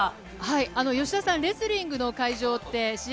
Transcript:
吉田さん、レスリングの会場って試合